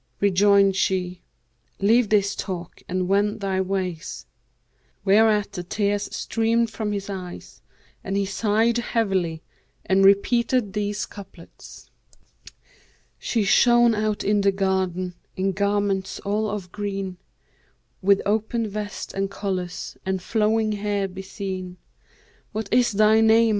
Rejoined she, 'Leave this talk and wend thy ways'; whereat the tears streamed from his eyes, and he sighed heavily and repeated these couplets, 'She shone out in the garden in garments all of green, * With open vest and collars and flowing hair beseen: 'What is thy name?'